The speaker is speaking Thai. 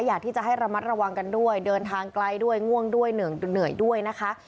อยากที่จะให้ระมัดระวังกันด้วยเดินทางไกลด้วยง่วงด้วยเหนื่อยด้วยนะคะ